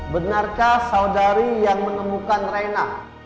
benarkah saudari yang menemukan reina